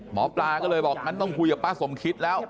หมอปลาก็เลยบอกงั้นต้องคุยกับป้าสมคิดแล้ว